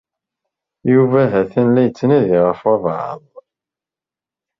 Yuba ha-t-an la yettnadi ɣef walbaɛḍ.